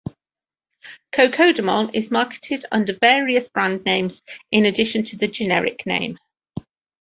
Co-codamol is marketed under various brand names in addition to the generic name.